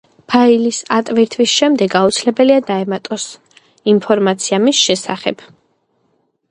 ფაილის ატვირთვის შემდეგ აუცილებელია: დაემატოს შესახებ.